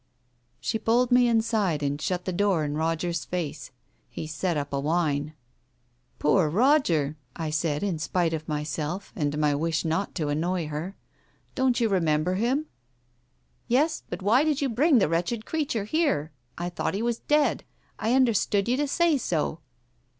She pulled me inside, and shut the door in Roger's face. He set up a whine. " Poor Roger !" I said in spite of myself, and my wish not to annoy her. "Don't you remember him ?" "Yes, but why did you bring the wretched creature here? I thought he was dead. I understood you to say so.'